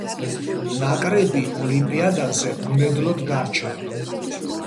ნაკრები ოლიმპიადაზე უმედლოდ დარჩა.